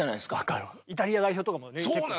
イタリア代表とかもね結構。